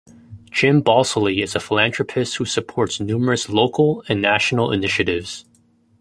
Jim Balsillie is a philanthropist who supports numerous local and national initiatives.